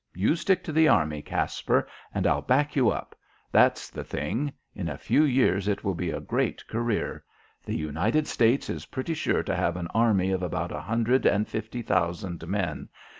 You stick to the Army, Caspar, and I'll back you up. That's the thing. In a few years it will be a great career. The United States is pretty sure to have an Army of about a hundred and fifty thousand men.